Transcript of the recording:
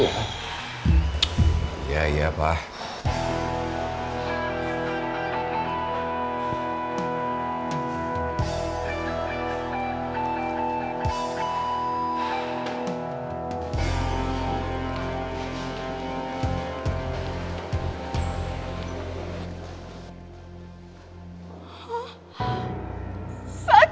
berapa lama dia bekerja di otherworld